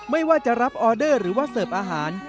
ไม่ว่าจะรับออเดอร์หรือว่าเสิร์ฟอาหาร